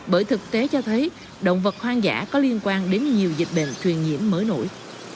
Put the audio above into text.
bởi thực tế cho thấy động vật hoang dã có liên quan đến nhiều dịch bệnh thuyền nhiễm mới nổi